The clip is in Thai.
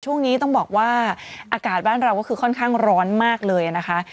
ช่วงนี้ต้องบอกว่าอากาศบ้านเราก็คือค่อนข้างร้อนมากเลยนะคะ